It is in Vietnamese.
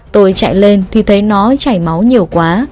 tôi chạy lên thì thấy nó chảy máu nhiều quá